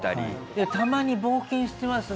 でもたまに冒険してますね。